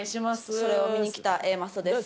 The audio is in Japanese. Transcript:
それを見に来たＡマッソです。